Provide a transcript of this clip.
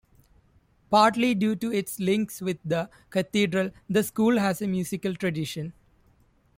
Partly due to its links with the cathedral the school has a musical tradition.